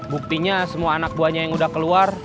buktinya semua anak buahnya yang udah keluar